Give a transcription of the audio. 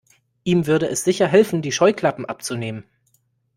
Ihm würde es sicher helfen, die Scheuklappen abzunehmen.